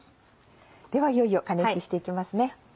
ではいよいよ加熱していきますね。